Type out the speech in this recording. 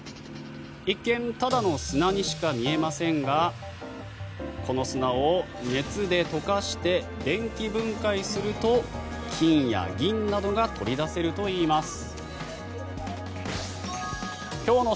一見ただの砂にしか見えませんがこの砂を熱で溶かして電気分解すると金や銀などが取り出せるといいます。